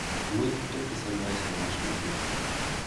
Мы — только согласия вашего ждем.